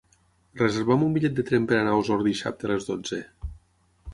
Reserva'm un bitllet de tren per anar a Osor dissabte a les dotze.